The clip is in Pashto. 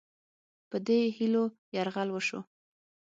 په دې هیلو یرغل وشو.